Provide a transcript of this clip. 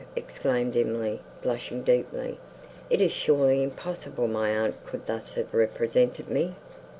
exclaimed Emily, blushing deeply, "it is surely impossible my aunt could thus have represented me!"